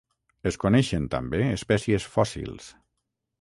Es coneixen també espècies fòssils.